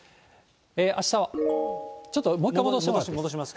あしたはちょっと、もう一回戻します。